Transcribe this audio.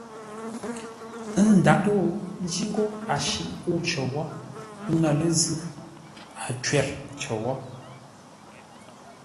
Ə́ ndaghʼ ńtó, ńjí ńgó a shǐʼ ńkə́u cər wó, pə́ ŋə̂ lə́ zʉ́, a cwə̂r cər wó.